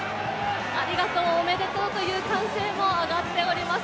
ありがとう、おめでとうという歓声も上がっています。